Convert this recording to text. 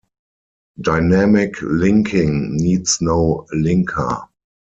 Dynamic linking needs no linker.